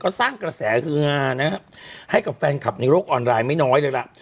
ก็สร้างกระแสคือฮานะฮะให้กับแฟนคลับในโลกออนไลน์ไม่น้อยเลยล่ะ